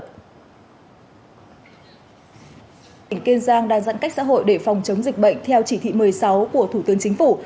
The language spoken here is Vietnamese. tỉnh kiên giang đang giãn cách xã hội để phòng chống dịch bệnh theo chỉ thị một mươi sáu của thủ tướng chính phủ